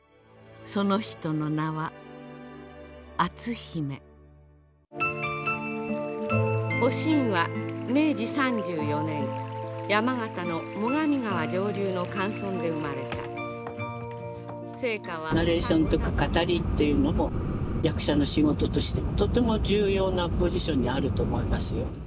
その人の名は篤姫おしんは明治３４年山形の最上川上流の寒村で生まれたナレーションとか語りっていうのも役者の仕事としてとても重要なポジションにあると思いますよ。